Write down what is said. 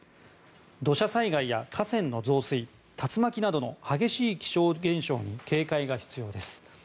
土砂災害や河川の増水竜巻などの激しい気象現象に警戒が必要です。